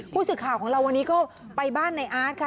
ผู้สื่อข่าวของเราวันนี้ก็ไปบ้านในอาร์ตค่ะ